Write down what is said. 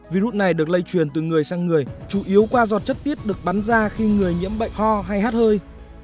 virus này được lây truyền từ người sang người chủ yếu qua giọt chất tiết được bắn ra khi người nhiễm bệnh ho hay hát hơi